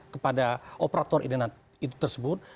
kepada operator indenat itu tersebut